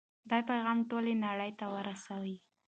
دا پیغام ټولې نړۍ ته ورسوئ.